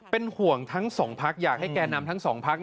เป็นห่วงทั้งสองพักอยากให้แก่นำทั้งสองพัก